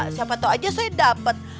siapa tau aja saya dapat